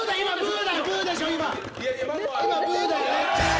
今のブーだよね？